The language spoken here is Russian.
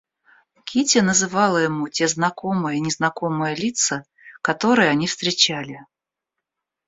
Кити называла ему те знакомые и незнакомые лица, которые они встречали.